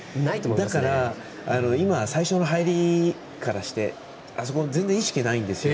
だから、今、最初の入りからしてあそこ、全然意識ないんですよ。